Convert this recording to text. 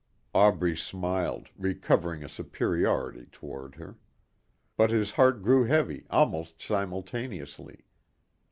Aubrey smiled, recovering a superiority toward her. But his heart grew heavy almost simultaneously.